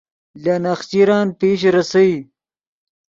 لے نخچرن پیش ریسئے